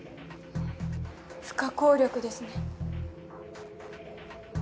不可抗力ですね。